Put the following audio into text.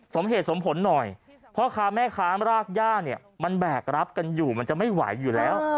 สมเหตุสมผลหน่อยพ่อค้าแม่ค้ารากย่าเนี่ยมันแบกรับกันอยู่มันจะไม่ไหวอยู่แล้ว